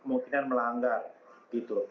kemungkinan melanggar gitu